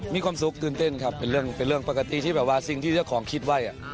มีความสุขตื่นเต้นครับเป็นเรื่องปกติที่แบบว่าสิ่งที่เจ้าของคิดไว้